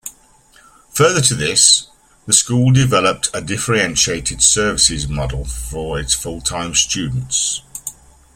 Further to this, the school developed a Differentiated Services Model for its full-time students.